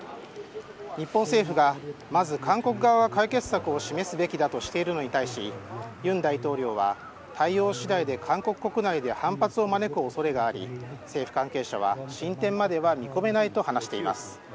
日本政府がまず韓国側が解決策を示すべきだとしているのに対し尹大統領は対応次第で韓国国内で反発を招く恐れがあり政府関係者は進展までは見込めないと話しています。